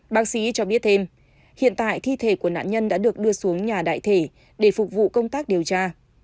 bác sĩ cho biết thêm hiện tại thi thể của nạn nhân đã được đưa xuống nhà đại thể để phục vụ công tác điều tra